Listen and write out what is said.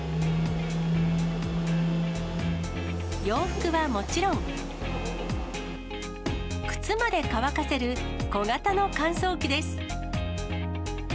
洋服はもちろん、靴まで乾かせる小型の乾燥機です。